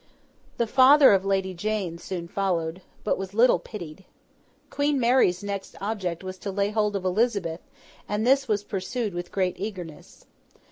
The father of Lady Jane soon followed, but was little pitied. Queen Mary's next object was to lay hold of Elizabeth, and this was pursued with great eagerness.